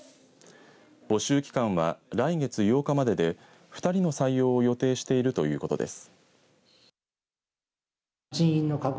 募集期間は来月８日までで２人の採用を予定しているということです。